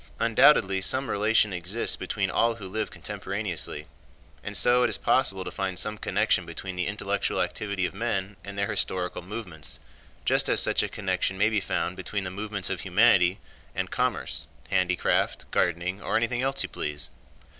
Undoubtedly some relation exists between all who live contemporaneously, and so it is possible to find some connection between the intellectual activity of men and their historical movements, just as such a connection may be found between the movements of humanity and commerce, handicraft, gardening, or anything else you please.